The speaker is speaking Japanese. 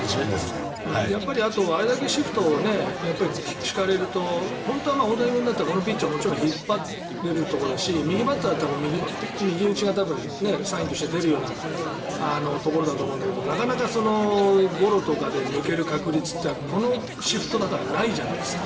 あれだけシフトを敷かれると本当は大谷君だったらもちろん引っ張れるところだし右バッターだったら右打ちが多分サインとして出るようなところだと思うんだけどなかなかゴロとかで抜ける確率ってこのシフトだからないじゃないですか。